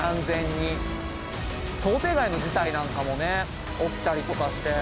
想定外の事態なんかもね起きたりとかして。